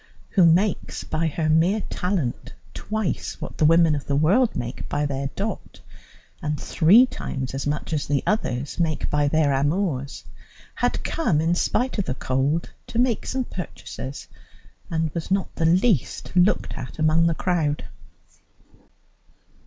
who makes by her mere talent twice what the women of the world make by their dot and three times as much as the others make by their amours, had come, in spite of the cold, to make some purchases, and was not the least looked at among the crowd.